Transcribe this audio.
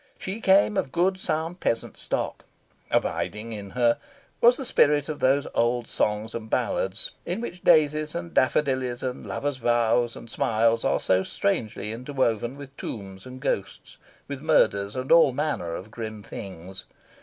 She came of good sound peasant stock. Abiding in her was the spirit of those old songs and ballads in which daisies and daffodillies and lovers' vows and smiles are so strangely inwoven with tombs and ghosts, with murders and all manner of grim things.